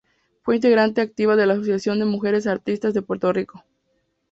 Fue integrante activa de la Asociación de Mujeres Artistas de Puerto Rico.